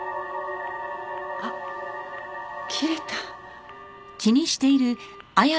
あっ切れた。